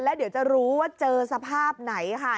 แล้วเดี๋ยวจะรู้ว่าเจอสภาพไหนค่ะ